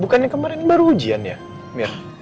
bukannya kemarin baru ujian ya mir